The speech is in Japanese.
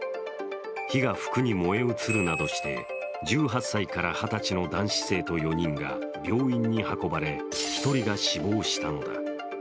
火が服に燃え移るなどして１８歳から二十歳の男子生徒４人が病院に運ばれ、１人が死亡したのだ。